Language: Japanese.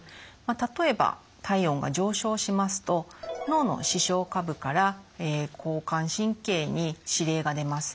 例えば体温が上昇しますと脳の視床下部から交感神経に指令が出ます。